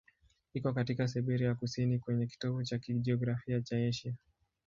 Iko katika Siberia ya kusini, kwenye kitovu cha kijiografia cha Asia.